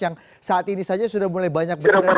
yang saat ini saja sudah mulai banyak bergerak di media sosial